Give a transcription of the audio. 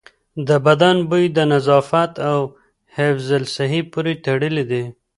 د بدن بوی د نظافت او حفظ الصحې پورې تړلی دی.